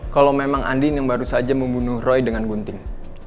kalau memang andin yang baru saja membunuh roy dengan gunting